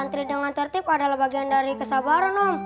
antri dengan tertib adalah bagian dari kesabaran om